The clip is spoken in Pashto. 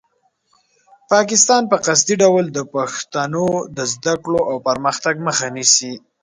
پاکستان په قصدي ډول د پښتنو د زده کړو او پرمختګ مخه نیسي.